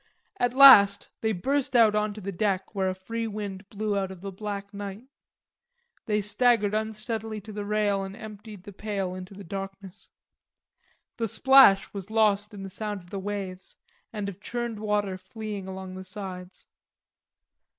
At last they burst out on to the deck where a free wind blew out of the black night. They staggered unsteadily to the rail and emptied the pail into the darkness. The splash was lost in the sound of the waves and of churned water fleeing along the sides.